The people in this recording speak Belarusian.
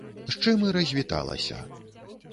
З чым і развіталася.